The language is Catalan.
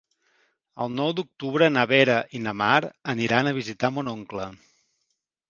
El nou d'octubre na Vera i na Mar aniran a visitar mon oncle.